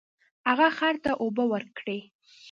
هغه خر ته اوبه ورکړې.